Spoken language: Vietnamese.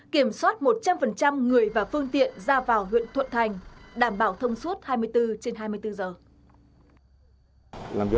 kiểm soát một trăm linh người và phương tiện ra vào huyện thuận thành đảm bảo thông suốt hai mươi bốn trên hai mươi bốn giờ